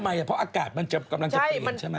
ทำไมเพราะอากาศมันกำลังจะเปลี่ยนใช่มั้ย